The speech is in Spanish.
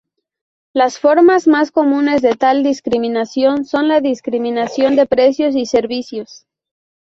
Las formas más comunes de tal discriminación son la discriminación de precios y servicios.